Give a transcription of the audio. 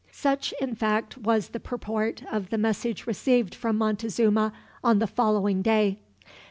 Such in fact was the purport of the message received from Montezuma on the following day.